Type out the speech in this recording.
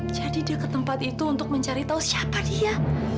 jadi dia ke tempat itu untuk mencari tahu siapa dia